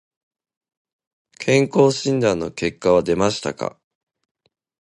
健康診断の結果は出ましたか。